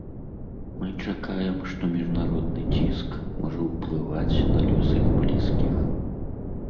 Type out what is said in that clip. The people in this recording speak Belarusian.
Мы чакаем, што міжнародны ціск можа ўплываць на лёс іх блізкіх.